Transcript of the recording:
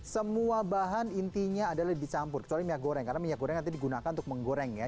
semua bahan intinya adalah dicampur kecuali minyak goreng karena minyak goreng nanti digunakan untuk menggoreng ya